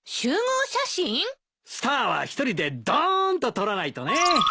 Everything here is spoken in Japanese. スターは一人でどーんと撮らないとね。